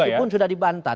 meskipun sudah dibantah